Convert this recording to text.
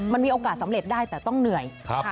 มันมีโอกาสสำเร็จได้แต่ต้องเหนื่อย